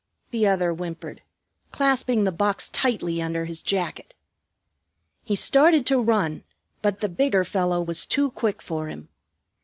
the other whimpered, clasping the box tightly under his jacket. He started to run, but the bigger fellow was too quick for him.